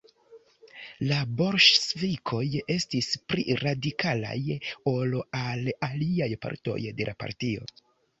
La bolŝevikoj estis pli radikalaj ol la aliaj partoj de la partio.